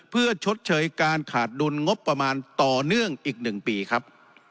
เพื่อชดเชยการขาดดุลงบประมาณต่อเนื่องอีก๑ปีครับ